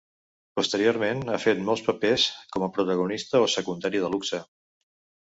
Posteriorment ha fet molts papers com protagonista o secundari de luxe.